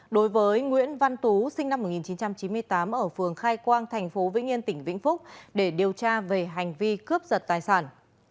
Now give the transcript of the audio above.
đối với nguyễn văn tú sinh năm một nghìn chín trăm chín mươi tám ở phường khai quang thành phố vĩnh yên tỉnh vĩnh phúc để điều tra về hành vi cướp giật tài sản